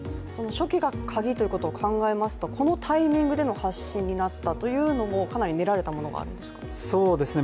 初期がカギということを考えますとこのタイミングになったというのもかなり練られたものがあるんですかね？